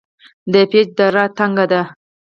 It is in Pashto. د پیج دره تنګه ده